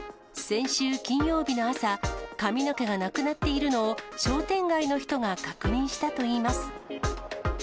先週金曜日の朝、髪の毛がなくなっているのを、商店街の人が確認したといいます。